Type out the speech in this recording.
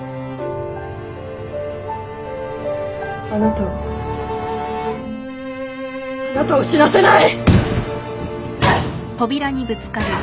あなたをあなたを死なせない。